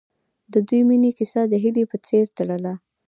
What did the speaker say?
د دوی د مینې کیسه د هیلې په څېر تلله.